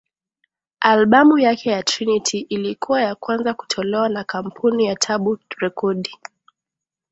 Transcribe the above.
Albamu yake ya Trinity ilikuwa ya kwanza kutolewa na kampuni ya Tabu rekodi